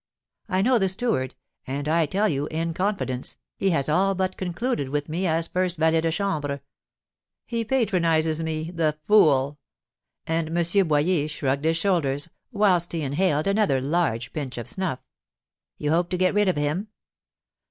I know the steward; and I tell you, in confidence, he has all but concluded with me as first valet de chambre. He patronises me, the fool!" And M. Boyer shrugged his shoulders, whilst he inhaled another large pinch of snuff. "You hope to get rid of him?"